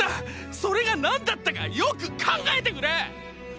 それが何だったかよく考えてくれ！！